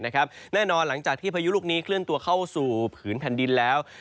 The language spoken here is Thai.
แน่นอนหลังจากที่พายุลูกนี้เคลื่อนตัวเข้าสู่ผืนแผ่นดินแล้ว